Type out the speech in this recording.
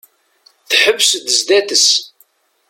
Teḥbes-d sdat-is.